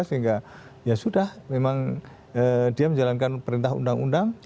sehingga ya sudah memang dia menjalankan perintah undang undang